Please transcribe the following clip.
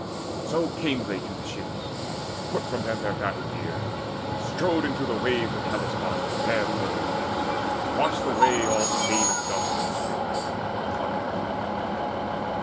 So came they to the ships, and put from them Their battle gear, and strode into the waves Of Hellespont fair flowing, and washed away All stain of dust and sweat and clotted gore.